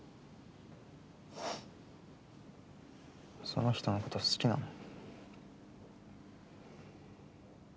その人のこと好きなの？